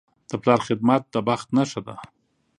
د پلار خدمت د بخت نښه ده.